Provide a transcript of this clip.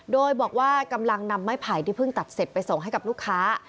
โดยบอกว่ากำลังนำไม้ไผ่ที่เพิ่งตัดเสร็จไปส่งให้กับลูกค้า